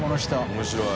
面白い。